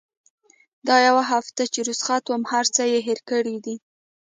دا يوه هفته چې رخصت وه هرڅه يې هېر کړي دي.